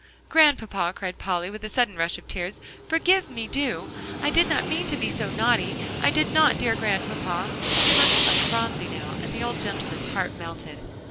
"Grandpapa," cried Polly, with a sudden rush of tears, "forgive me, do; I did not mean to be so naughty. I did not, dear Grandpapa." She looked like Phronsie now, and the old gentleman's heart melted.